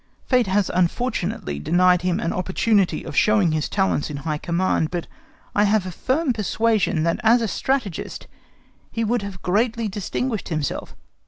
Fate has unfortunately denied him an opportunity of showing his talents in high command, but I have a firm persuasion that as a strategist he would have greatly distinguished himself.